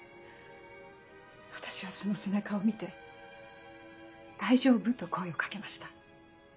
私はその背中を見て「大丈夫？」と声をかけました。